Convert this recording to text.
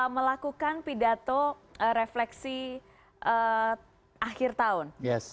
melakukan pidato refleksi akhir tahun